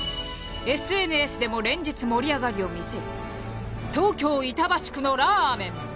ＳＮＳでも連日盛り上がりを見せる東京板橋区のラーメン。